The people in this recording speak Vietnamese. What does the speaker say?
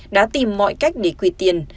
đã tìm mọi cách để quỳ tiền